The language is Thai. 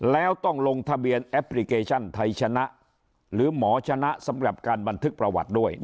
แล้วต้องลงทะเบียนแอปพลิเคชันไทยชนะหรือหมอชนะสำหรับการบันทึกประวัติด้วย